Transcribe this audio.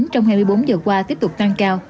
trong hai mươi bốn giờ qua tiếp tục tăng cao